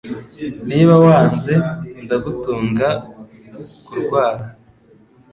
niba wanze ndagutunga ku rwara